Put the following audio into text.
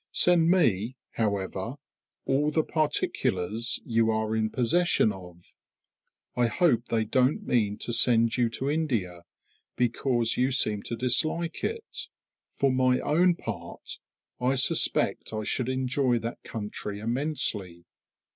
Send me, however, all the particulars you are in possession of. I hope they don't mean to send you to India, because you seem to dislike it. For my own part, I suspect I should enjoy that country immensely.